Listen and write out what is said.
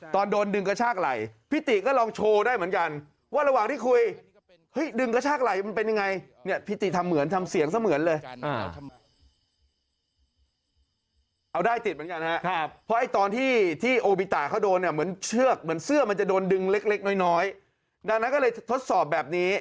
ตอนโดนดึงกระชากไหล่พี่ติก็ลองโชว์ได้เหมือนกัน